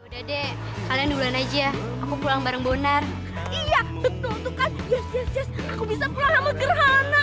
udah deh kalian duluan aja aku pulang bareng bonar iya betul betul aku bisa pulang sama gerhana